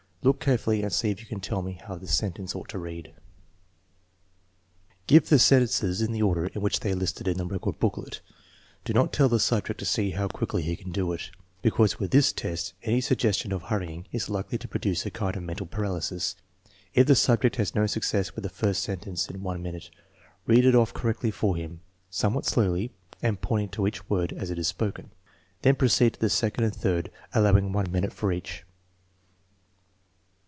Look carefully and see ij you can tell me how the sentence ought to read. 7 ' Give the sentences in the order in which they are listed in the record booklet. Do not tell the subject to see how quickly he can do it, because with this test any suggestion of hurrying is likely to produce a kind of mental paralysis. If the subject has no success with the first sentence in one minute, read it off correctly for him, somewhat slowly, and pointing to each word as it is spoken. Then proceed to the second and third, allowing one minute for each.